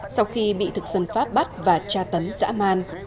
sau khi bị thực dân pháp bắt và tra tấn dã man